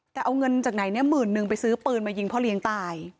แต่เอาเงินจากไหนเนี่ยหมื่นนึงไปซื้อปืนมายิงพ่อเลี้ยงตาย